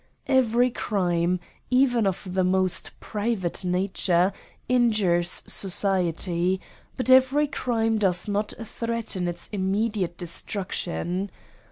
Every crime, even of the most private nature, injures society ; but every crime does not threaten its immediate de struction.